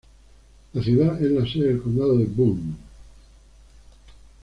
La ciudad es la sede del condado de Boone.